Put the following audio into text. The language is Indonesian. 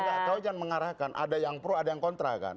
enggak kau jangan mengarahkan ada yang pro ada yang kontra kan